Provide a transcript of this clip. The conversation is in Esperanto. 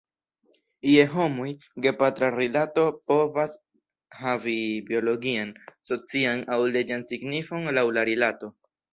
Je homoj, gepatra rilato povas havi biologian, socian, aŭ leĝan signifon, laŭ la rilato.